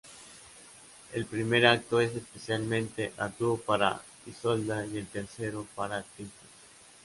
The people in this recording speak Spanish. El primer acto es especialmente arduo para Isolda y el tercero para Tristán.